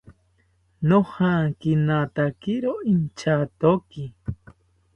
Nojankinatakiro inchatoki